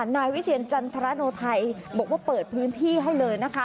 นายวิเชียรจันทรโนไทยบอกว่าเปิดพื้นที่ให้เลยนะคะ